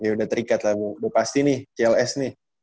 udah terikat lah udah pasti nih cls nih